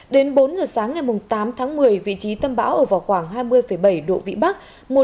đến bốn giờ sáng ngày tám tháng một mươi vị trí tâm bão ở vào khoảng hai mươi bảy độ vĩ bắc